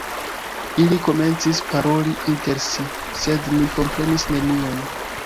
Ili komencis paroli inter si, sed mi komprenis nenion.